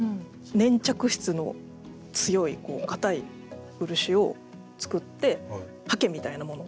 粘着質の強い硬い漆を作って刷毛みたいなもの